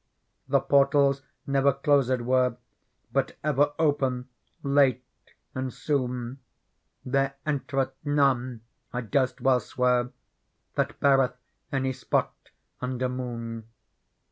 The portals never clps^djyere. But ever open, late and soon ; The re entetfi th none, I durst well swear, That beareth any spot under moon.